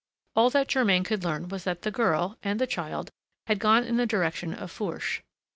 All that Germain could learn was that the girl and the child had gone in the direction of Fourche.